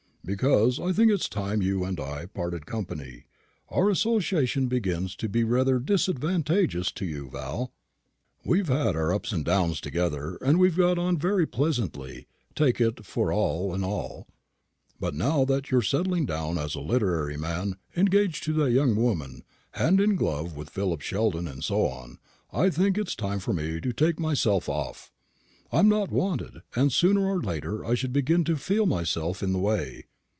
"Because I think it's time you and I parted company. Our association begins to be rather disadvantageous to you, Val. We've had our ups and downs together, and we've got on very pleasantly, take it for all in all. But now that you're settling down as a literary man, engaged to that young woman, hand in glove with Philip Sheldon, and so on, I think it's time for me to take myself off. I'm not wanted; and sooner or later I should begin to feel myself in the way."